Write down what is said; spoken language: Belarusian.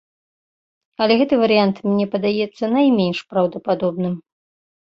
Але гэты варыянт мне падаецца найменш праўдападобным.